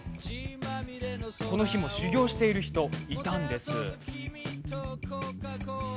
この日も修業している人、いましたよ。